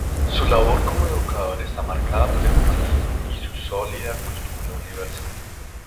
Su labor como educador está marcada por el humanismo y su sólida cultura universal.